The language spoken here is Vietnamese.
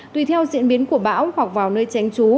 tùy theo diễn biến của bão hoặc vào nơi tránh trú